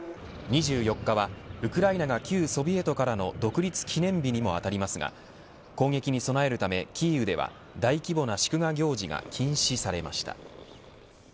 ２４日はウクライナが旧ソビエトからの独立記念日にもあたりますが攻撃に備えるため、キーウでは大規模な祝賀行事が禁止されました。